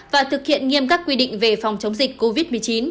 và thực hiện nghiêm các quy định về phòng chống dịch covid một mươi chín